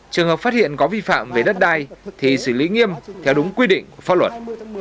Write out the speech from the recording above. trường hợp phát hiện có vi phạm về đất đai thì xử lý nghiêm theo đúng quy định của pháp luật